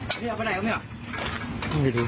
เชิญที่หน้าจอพี่เอาไว้ไหนกับเนี่ย